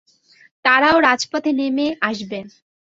তারাও রাজপথে নেমে আসবে।